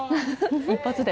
一発で。